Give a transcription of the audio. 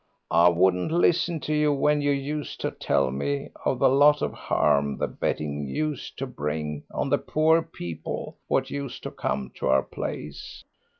I wouldn't listen to you when you used to tell me of the lot of harm the betting used to bring on the poor people what used to come to our place.